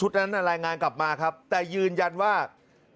หาวหาวหาวหาวหาวหาวหาวหาวหาวหาว